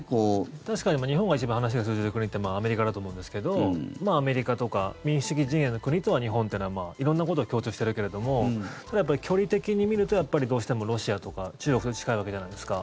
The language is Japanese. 確かに日本が一番話が通じる国ってアメリカだと思うんですがアメリカとか民主主義陣営の国とは日本というのは色んなことが共通しているけれども距離的に見たら中国やロシアと近いわけじゃないですか。